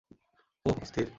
ওহ, অস্থির!